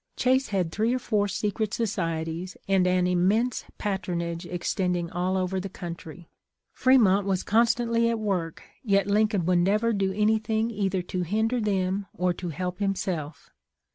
Chase had three or four secret societies and an immense patronage extending all over the countn, . Fremont was constantly at work, yet Lincoln would never do anything either to hinder them or to help himself.